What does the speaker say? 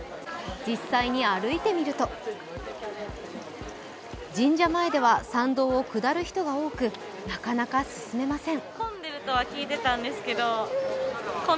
実際に歩いてみると神社前では参道を下る人が多くなかなか進めません。